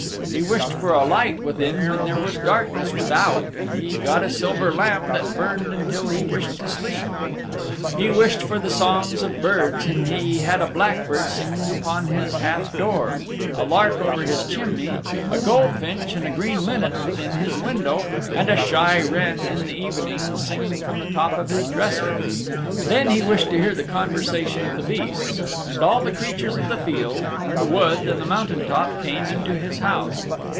He wished for a light within when there was darkness without, and he got a silver lamp that burned until he wished to sleep. He wished for the songs of birds and he had a blackbird singing upon his half door, a lark over his chimney, a goldfinch and a green linnet within his window, and a shy wren in the evening singing from the top of his dresser. Then he wished to hear the conversation of the beasts and all the creatures of the fields and the wood and the mountain top came into his house.